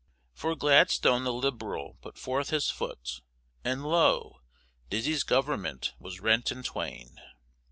For Gladstone the Liberal put forth his foot, and lo, Dizzy's Government was rent in twain.